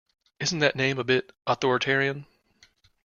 Isn’t that name a bit authoritarian?